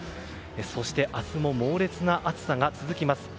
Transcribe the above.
そして、明日も猛烈な暑さが続きます。